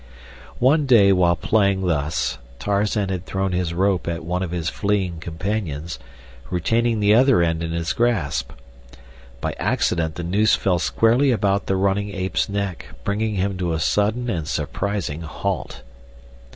One day while playing thus Tarzan had thrown his rope at one of his fleeing companions, retaining the other end in his grasp. By accident the noose fell squarely about the running ape's neck, bringing him to a sudden and surprising halt.